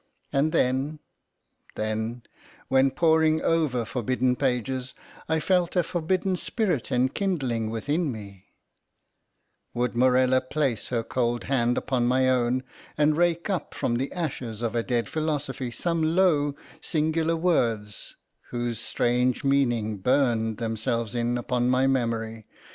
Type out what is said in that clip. And then—then, when, poring over forbidden pages, I felt a forbidden spirit enkindling within me—would Morella place her cold hand upon my own, and rake up from the ashes of a dead philosophy some low, singular words, whose strange meaning burned themselves in upon my memory.